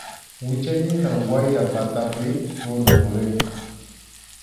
Wichaynintam wayra patapi runa purinqa.